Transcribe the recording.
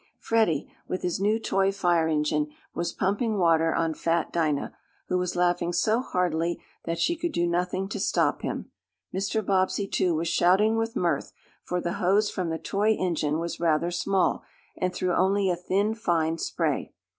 Freddie, with his new toy fire engine, was pumping water on fat Dinah, who was laughing so heartily that she could do nothing to stop him. Mr. Bobbsey, too, was shouting with mirth, for the hose from the toy engine was rather small, and threw only a thin, fine spray.